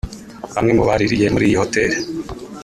Bamwe mu baririye muri iyi hoteli